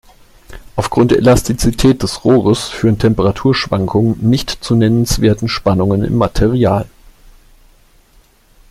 Aufgrund der Elastizität des Rohres führen Temperaturschwankungen nicht zu nennenswerten Spannungen im Material.